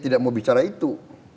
tidak mau bicara itu